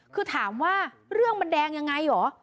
คือถามว่าเรื่องมันแดงยังไงเหรอ